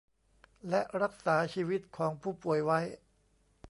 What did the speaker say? และรักษาชีวิตของผู้ป่วยไว้